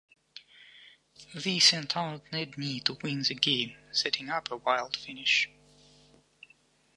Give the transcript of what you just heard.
They sent out Nedney to win the game, setting up a wild finish.